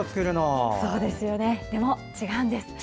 でも、違うんです。